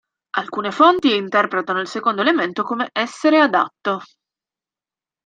Alcune fonti interpretano il secondo elemento come "essere adatto".